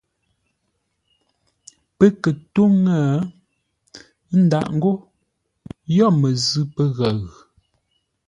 Pə́ kə̂ ntó ńŋə́, ə́ ndǎʼ ńgó yo məzʉ̂ pəghəʉ.